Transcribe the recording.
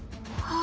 あ。